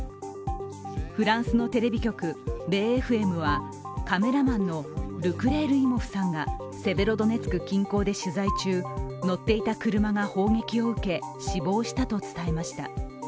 フランスのテレビ局、ＢＦＭはカメラマンのルクレールイモフさんがセベロドネツク近郊で取材中乗っていた車が砲撃を受け死亡したと伝えました。